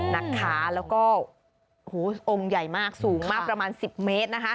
แล้วก็โอ้โหองค์ใหญ่มากสูงมากประมาณ๑๐เมตร